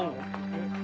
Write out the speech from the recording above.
えっ？